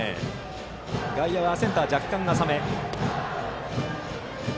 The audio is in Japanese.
外野はセンターが若干浅め。